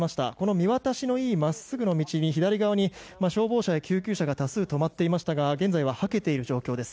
見渡しのいい真っすぐな道に左側に消防車や救急車が多数止まっていましたが現在ははけている状況です。